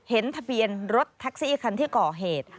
เห็นทะเบียนรถแท็กซี่คันที่ก่อเหตุ